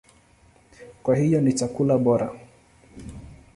Kwa hiyo ni chakula bora.